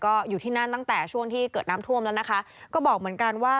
ก็อยู่ที่นั่นตั้งแต่ช่วงที่เกิดน้ำท่วมแล้วนะคะก็บอกเหมือนกันว่า